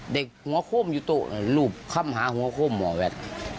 เด็กหัวโค้มอยู่ตรงนั้นลูบค่ำหาหัวโค้มหัวแหวะ